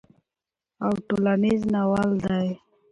او ټولنيز ناول دی